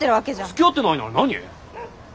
つきあってないなら何？